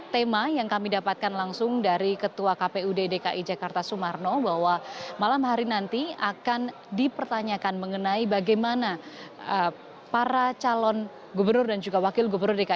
tema yang kami dapatkan langsung dari ketua kpud dki jakarta sumarno bahwa malam hari nanti akan dipertanyakan mengenai bagaimana para calon gubernur dan juga wakil gubernur dki jakarta